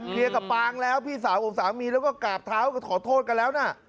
กับปางแล้วพี่สาวของสามีแล้วก็กราบเท้าก็ขอโทษกันแล้วนะ